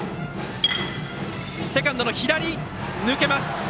セカンドの左、抜けます。